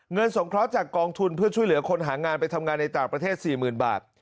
สงเคราะห์จากกองทุนเพื่อช่วยเหลือคนหางานไปทำงานในต่างประเทศ๔๐๐๐บาท